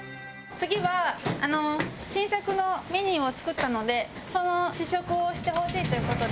次は新作のメニューを作ったのでその試食をしてほしいという事で。